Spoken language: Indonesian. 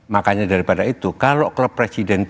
makanya daripada itu kalau klub presiden itu